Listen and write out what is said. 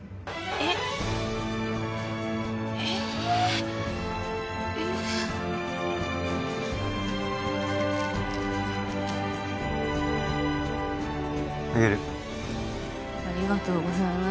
えっえあげるありがとうございます